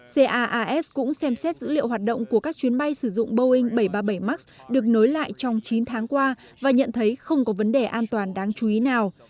caas cũng xem xét dữ liệu hoạt động của các chuyến bay sử dụng boeing bảy trăm ba mươi bảy max được nối lại trong chín tháng qua và nhận thấy không có vấn đề an toàn đáng chú ý nào